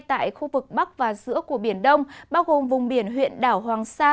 tại khu vực bắc và giữa của biển đông bao gồm vùng biển huyện đảo hoàng sa